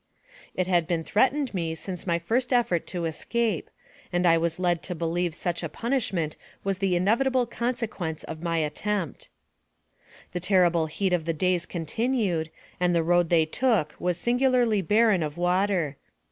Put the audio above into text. It had been threatened me since my first effort to AMONG THE SIOUX INDIANS. 69 escape, and I was led to believe such a punishment was the inevitable consequence of my attempt. The terrible heat of the days continued, and the road they took was singularly barren of water.